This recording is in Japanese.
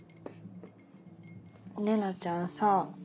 玲奈ちゃんさ。